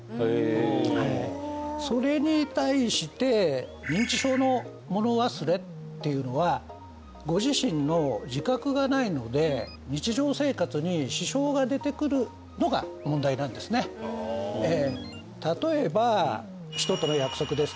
ほおそれに対して認知症のもの忘れっていうのはご自身の自覚がないので日常生活に支障が出てくるのが問題なんですねええ